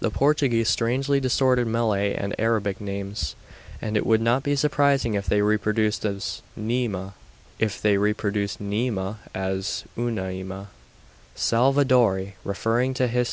The Portuguese strangely distorted Malay and Arabic names, and it would not be surprising if they reproduced 'neâma' as 'uma ema.' Salvadori, referring to _Hist.